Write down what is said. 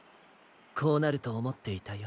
こうなるとおもっていたよ。